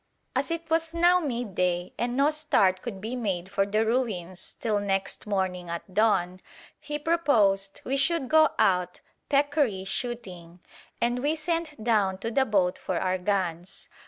As it was now midday and no start could be made for the ruins till next morning at dawn, he proposed we should go out peccary shooting, and we sent down to the boat for our guns.